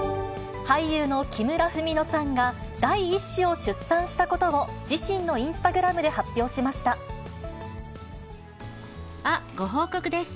俳優の木村文乃さんが、第１子を出産したことを、自身のインスタあ、ご報告です。